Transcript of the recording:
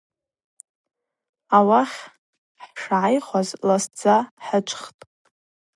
Ауахь хӏшгӏайхуаз ласдза хӏычвхтӏ.